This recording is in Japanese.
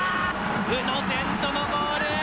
宇野禅斗のゴール。